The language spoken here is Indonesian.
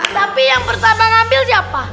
tapi yang pertama ngambil siapa